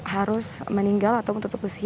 harus meninggal atau menutup jantung